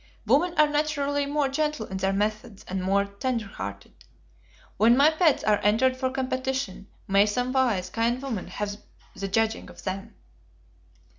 Women are naturally more gentle in their methods, and more tenderhearted. When my pets are entered for competition, may some wise, kind woman have the judging of them!